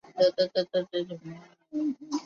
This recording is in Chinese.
伪蒿柳为杨柳科柳属下的一个变种。